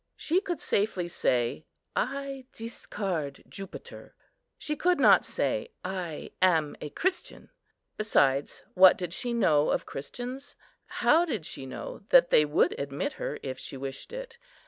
She could safely say, "I discard Jupiter:" she could not say, "I am a Christian." Besides, what did she know of Christians? How did she know that they would admit her, if she wished it?